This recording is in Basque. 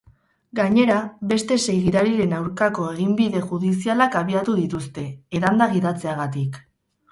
Gainera, beste sei gidariren aurkako eginbide judizialak abiatu dituzte, edanda gidatzeagatik.